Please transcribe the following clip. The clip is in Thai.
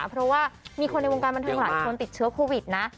เพราะว่ามีคนในวงการบันเทิงหลายคนติดเชื้อโควิดนะ